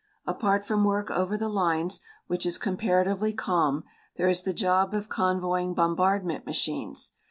Apart from work over the lines, which is comparatively calm, there is the job of convoying bombardment machines.